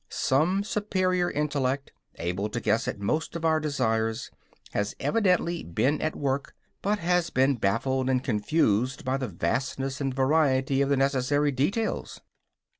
Some superior intellect, able to guess at most of our desires, has evidently been at work, but has been baffled and confused by the vastness and variety of the necessary details.